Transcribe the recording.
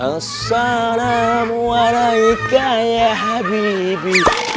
assalamu'alaika ya habibie